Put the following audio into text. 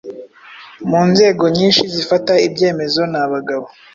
mu nzego nyinshi zifata ibyemezo nabagabo.